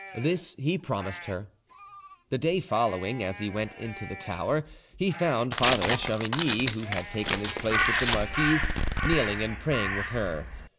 This he promised her. The day following, as he went into the tower, he found Father Chavigny, who had taken his place with the marquise, kneeling and praying with her.